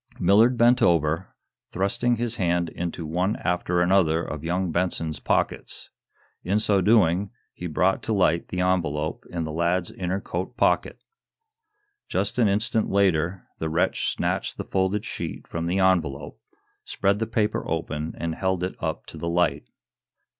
Millard bent over, thrusting his hand into one after another of young Benson's pockets. In so doing he brought to light the envelope in the lad's inner coat pocket. Just an instant later, the wretch snatched the folded sheet from the envelope, spread the paper open and held it up to the light.